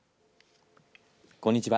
こんにちは。